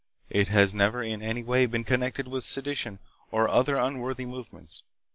It has never in any way been connected with sedition or other unworthy movements.